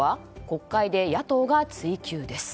国会で野党が追及です。